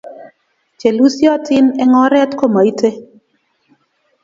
Che lusyotin eng' oret komaite